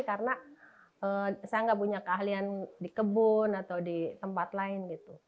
karena saya enggak punya keahlian di kebun atau di tempat lain